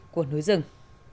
của núi rừng